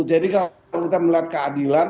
jadi kalau kita melihat keadilan